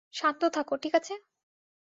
শান্ত থাকো - ঠিক আছে?